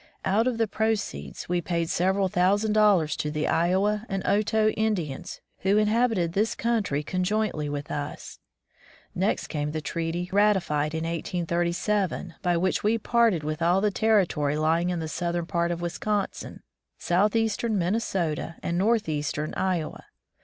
Out of the proceeds, we paid several thousand dollars to the Iowa and Otoe Indians who inhabited this country conjointly with us. Next came the treaty ratified in 1837, by which we parted with all the territory lying in the southern part of Wisconsin, southeastern Minnesota, and northeastern Iowa.